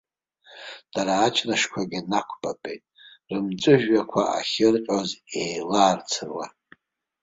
Дара аҷнышқәагьы нақәпапеит, рымҵәыжәҩақәа ахьырҟьоз еилаарцыруа.